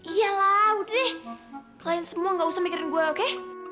iya lah udah deh kalian semua gak usah mikirin gue oke